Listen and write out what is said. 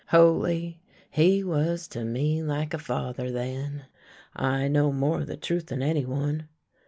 Holy, he was to me like a father then ! I know more of the truth than any one."